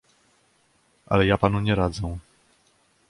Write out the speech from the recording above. "Ale ja panu nie radzę."